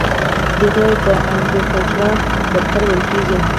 دې ته د اندیکاتور دفتر ویل کیږي.